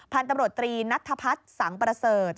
พันธุ์ตำรวจตรีนัทธพัฒน์สังประเสริฐ